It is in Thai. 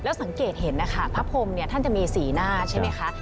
สังเกตเห็นนะคะพระพรมเนี่ยท่านจะมีสีหน้าใช่ไหมคะ